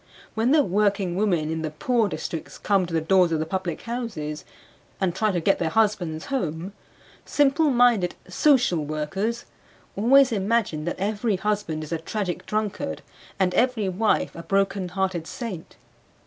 When the working women in the poor districts come to the doors of the public houses and try to get their husbands home, simple minded "social workers" always imagine that every husband is a tragic drunkard and every wife a broken hearted saint.